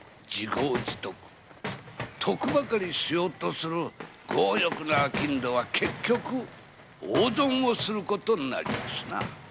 得ばかりしようとする商人は結局大損をすることになりますな。